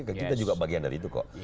ke kita juga bagian dari itu kok